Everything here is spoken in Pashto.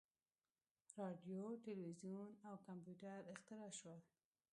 • راډیو، تلویزیون او کمپیوټر اختراع شول.